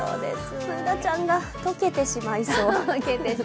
Ｂｏｏｎａちゃんが溶けてしまいそう。